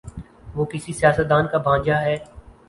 وہ کسی سیاست دان کا بھانجا ہے۔